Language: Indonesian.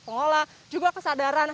pengolah juga kesadaran